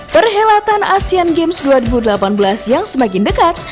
perhelatan asean games dua ribu delapan belas yang semakin dekat